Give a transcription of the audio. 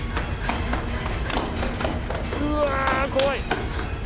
うわあ怖い。